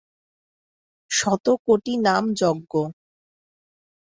শত কোটি নাম যজ্ঞ।